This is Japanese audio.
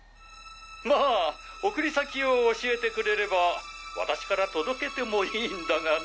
まあ送り先を教えてくれれば私から届けてもいいんだがね。